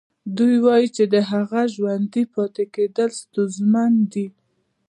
دوی ويل چې د هغه ژوندي پاتې کېدل ستونزمن دي.